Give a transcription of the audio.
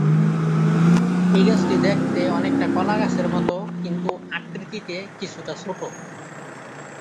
এই গাছটি দেখতে অনেকটা কলা গাছের মত কিন্তু আকৃতিতে কিছুটা ছোট।